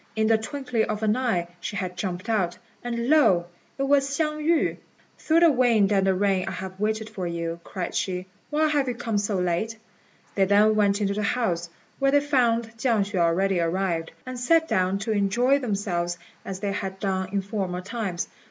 In the twinkling of an eye she had jumped out, and lo! it was Hsiang yü. "Through the wind and the rain I have waited for you," cried she; "why have you come so late?" They then went into the house, where they found Chiang hsüeh already arrived, and sat down to enjoy themselves as they had done in former times.